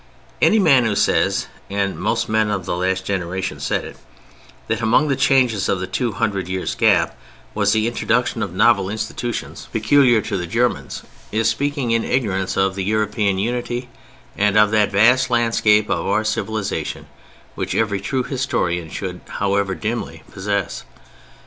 Any man who says (and most men of the last generation said it) that among the changes of the two hundred years' gap was the introduction of novel institutions peculiar to the Germans, is speaking in ignorance of the European unity and of that vast landscape of our civilization which every true historian should, however dimly, possess.